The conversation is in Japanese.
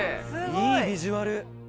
いいビジュアル！